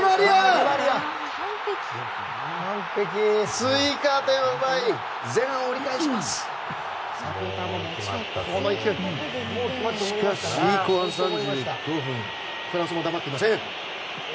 フランスも黙っていません。